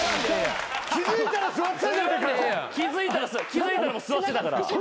気付いたらもう座ってたから。